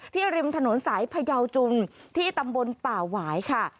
ริมถนนสายพยาวจุนที่ตำบลป่าหวายค่ะ